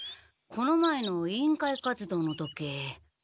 この前の委員会活動の時。